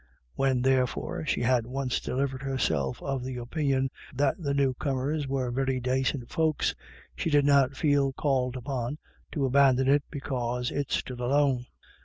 When, therefore, she had once delivered herself of the opinion that the new comers were " very dacint folks," she did not feel called upon to abandon it because it stood alone.